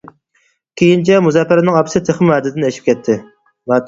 كېيىنچە، مۇزەپپەرنىڭ ئاپىسى تېخىمۇ ھەددىدىن ئېشىپ كەتتى.